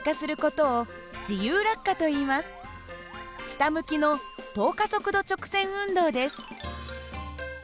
下向きの等加速度直線運動です。